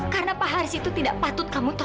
karena pak haris itu tidak patut kamu tahan